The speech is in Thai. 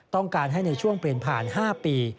ต้องการให้ในช่วงเปลี่ยนผ่าน๕ปี